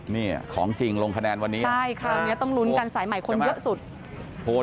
นี่ของจริงลงคะแนนวันนี้ใช่คราวนี้ต้องลุ้นกันสายใหม่คนเยอะสุด